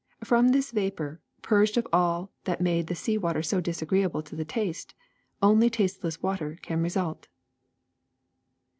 From this vapor, purged of all that made the sea water so disagreeable to the taste, only tasteless water can result.